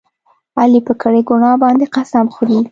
علي په کړې ګناه باندې قسم خوري.